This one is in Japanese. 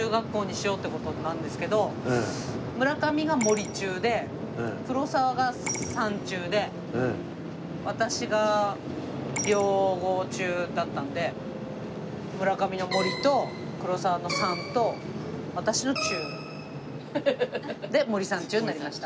じゃあ中学校にしようって事なんですけど村上が森中で黒沢が三中で私が両郷中だったんで村上の「森」と黒沢の「三」と私の「中」で森三中になりました。